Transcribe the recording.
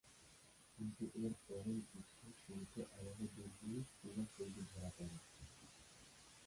কিন্তু, এর পরের গ্রীষ্মের শুরুতে আবারও দূর্বল ক্রীড়াশৈলী ধরা পড়ে।